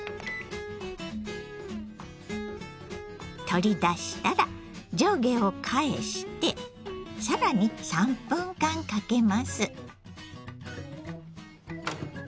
取り出したら上下を返して更に３分間かけます。